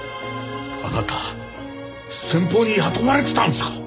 あなた先方に雇われてたんですか？